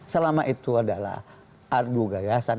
selama itu adalah argugagasan